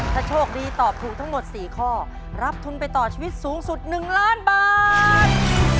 ถ้าโชคดีตอบถูกทั้งหมด๔ข้อรับทุนไปต่อชีวิตสูงสุด๑ล้านบาท